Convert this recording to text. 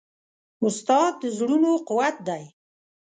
استاد د زړونو قوت دی.